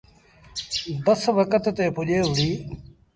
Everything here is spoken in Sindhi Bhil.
بس وکت تي پُڄي وُهڙي۔